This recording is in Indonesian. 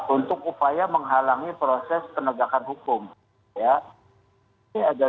untuk upaya menghalangi proses penegakan hukum ya